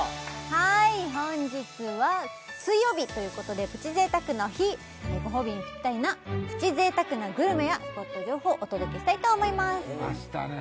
はい本日は水曜日ということでプチ贅沢の日ご褒美にぴったりなプチ贅沢なグルメやスポット情報お届けしたいと思いますきましたね